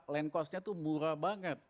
land costnya itu murah banget